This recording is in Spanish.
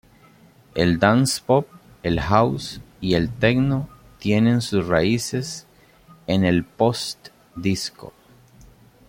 El dance-pop, el house y el techno tienen sus raíces en el post-disco.